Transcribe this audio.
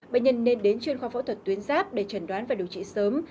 bệnh nhân nên đến chuyên khoa phẫu thuật tuyến giáp để trần đoán và điều trị sớm